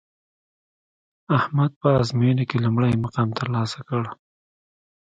احمد په ازموینه کې لومړی مقام ترلاسه کړ